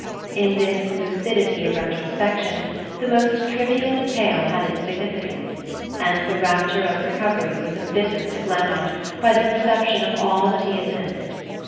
In this lucidity of retrospection the most trivial detail had its significance, and the rapture of recovery was embittered to Glennard by the perception of all that he had missed.